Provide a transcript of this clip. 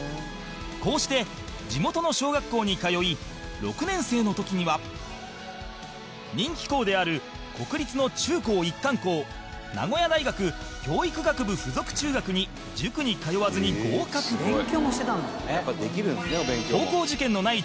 こうして、地元の小学校に通い６年生の時には人気校である国立の中高一貫校名古屋大学教育学部附属中学に塾に通わずに合格伊達：すごい。